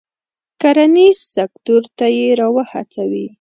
کرنیز سکتور ته یې را و هڅوي.